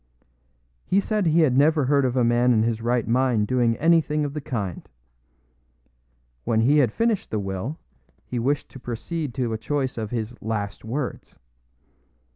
He said he had never heard of a man in his right mind doing anything of the kind. When he had finished the will, he wished to proceed to a choice of his "last words."